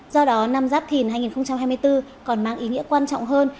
do đó năm giáp thìn hai nghìn hai mươi bốn còn mang ý nghĩa quan trọng hơn